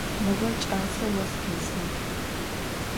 Mığe ç'aseu vos khêsığ.